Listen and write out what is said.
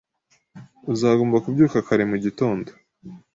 Uzagomba kubyuka kare mu gitondo